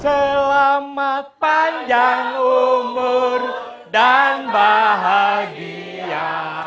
selamat panjang umur dan bahagia